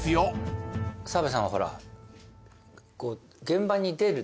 澤部さんはほら。